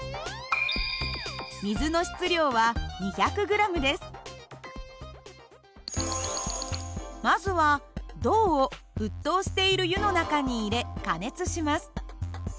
水の質量はまずは銅を沸騰している湯の中に入れ加熱します。